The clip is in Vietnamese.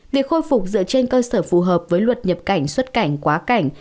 việc khôi phục dựa trên cơ sở phù hợp với luật nhập cảnh xuất cảnh quá cảnh